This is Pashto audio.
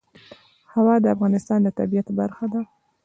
هوا د افغانستان د طبیعت برخه ده.